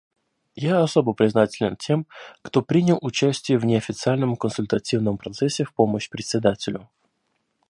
Я особо признателен тем, кто принял участие в неофициальном консультативном процессе в помощь Председателю.